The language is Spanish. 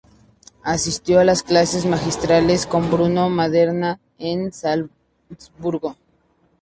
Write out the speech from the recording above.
Asistió a las clases magistrales con Bruno Maderna en Salzburgo.